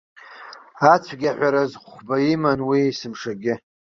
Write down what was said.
Ацәгьаҳәараз хәба иман уи есымшагьы.